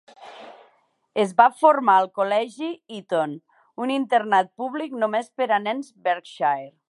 Es va formar al Col·legi Eaton, un internat públic només per a nens a Berkshire.